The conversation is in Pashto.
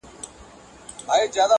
د کسمیر لوري د کابل او د ګواه لوري,